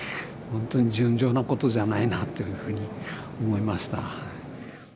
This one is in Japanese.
本当に尋常なことじゃないなっていうふうに思いました